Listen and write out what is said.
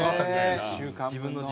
１週間分の。